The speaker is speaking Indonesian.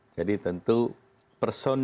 jadi tentu person